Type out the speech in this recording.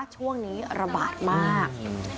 ช่วงนี้ระบาดมาก